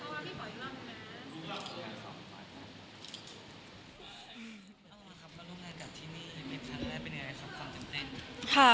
เป็นอะไรส้ามฟังตื่นเต้น